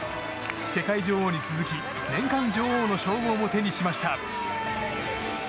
世界女王に続き年間女王の称号も手にしました。